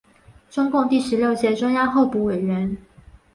中共第十六届中央候补委员。